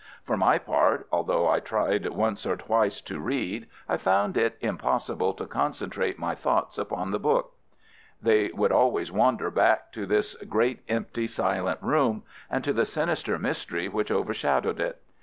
For my part, although I tried once or twice to read, I found it impossible to concentrate my thoughts upon the book. They would always wander back to this great empty silent room, and to the sinister mystery which overshadowed it.